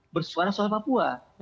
bersuara soal papua